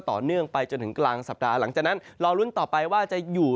ต่อเนื่องไปจนถึงกลางสัปดาห์หลังจากนั้นรอลุ้นต่อไปว่าจะอยู่